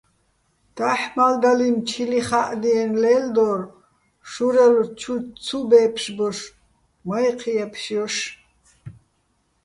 დაჰ̦ მალდალინო̆ ჩილიხა́ჸდიენო̆ ლელდორ, შურელო̆ ჩუ ცუ ბე́ფშბოშ, მაჲჴი̆ ჲე́ფშჲოშ.